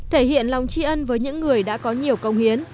thể hiện lòng tri ân với những người đã có nhiều công hiến